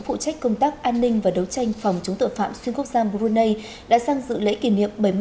phụ trách công tác an ninh và đấu tranh phòng chống tội phạm xuyên quốc gia brunei đã sang dự lễ kỷ niệm